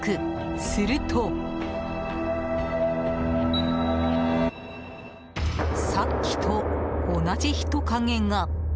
すると、さっきと同じ人影が。